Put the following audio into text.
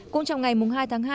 cũng trong ngày hai tháng hai